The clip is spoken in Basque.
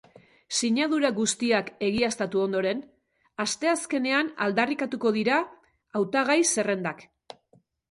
Sinadura guztiak egiaztatu ondoren, asteazkenean aldarrikatuko dira hautagai-zerrendak.